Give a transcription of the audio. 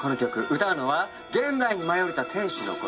歌うのは現代に舞い降りた天使のこのお二人。